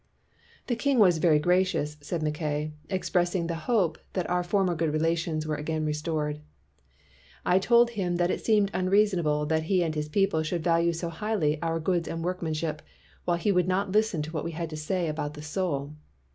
"The king was very gracious," said Mackay, "expressing the hope that our for mer good relations were again restored. I told him that it seemed unreasonable that he and his people should value so highly our goods and workmanship, while he would not listen to what we said about the soul.